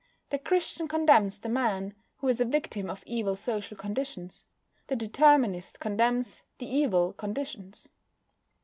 The Christian condemns the man who is a victim of evil social conditions. The Determinist condemns the evil conditions.